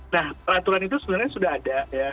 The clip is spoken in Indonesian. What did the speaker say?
nah peraturan itu sebenarnya sudah ada ya